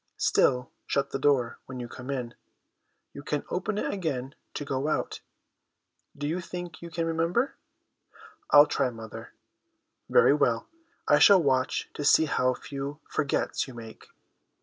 ' Still, shut the door, when you come in ; you can open it again to go out. Do you think you can remember ?'' I'll try, mother.' 'HABIT IS TEN NATURES* 123 ' Very well ; I shall watch to see how few " forgets " you make.'